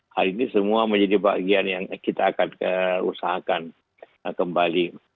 hal ini semua menjadi bagian yang kita akan usahakan kembali